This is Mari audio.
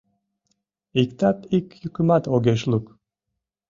Иктат ик йӱкымат огеш лук.